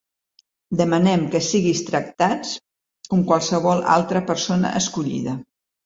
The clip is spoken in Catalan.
Demanem que siguis tractats com qualsevol altra persona escollida.